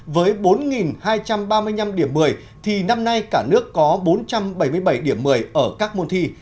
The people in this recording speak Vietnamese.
với bốn hai trăm ba mươi năm điểm một mươi thì năm nay cả nước có bốn trăm bảy mươi bảy điểm một mươi ở các môn thi